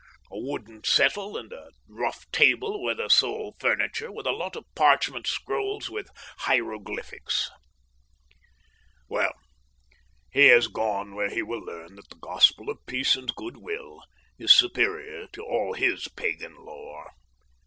A wooden settle and a rough table were the sole furniture, with a lot of parchment scrolls with hieroglyphics. Well, he has gone where he will learn that the gospel of peace and good will is superior to all his Pagan lore.